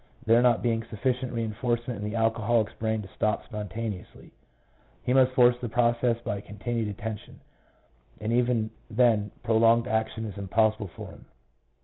There not being sufficient reinforce ment in the alcoholic's brain to act spontaneously, he must force the process by continued attention, and even then prolonged action is impossible for him.